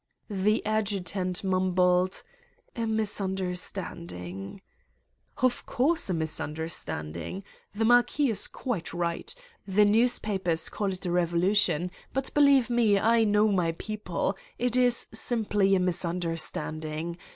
The adjutant mumbled : "A misunderstanding ..." "Of course a misunderstanding. The Marquis is quite right. The newspapers call it a revolu tion, but believe me, I know my people ; it is sim ply a misunderstanding.